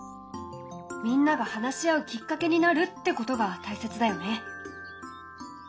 みんなが話し合うきっかけになるってことが大切だよね。